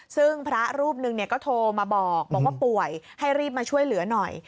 ซึ่งพระรูปหนึ่งก็โทรมาบอกบอกว่าป่วยให้รีบมาช่วยเหลือหน่อย